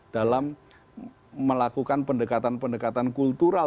dalam melakukan pendekatan pendekatan kultural